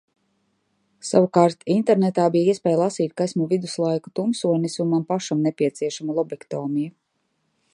Savukārt internetā bija iespēja lasīt, ka esmu viduslaiku tumsonis un man pašam nepieciešama lobektomija.